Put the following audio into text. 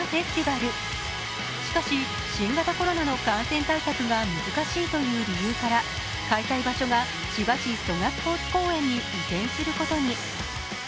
しかし新型コロナの感染対策が難しいという理由から、開催場所が千葉市蘇我スポーツ公園に移転することに。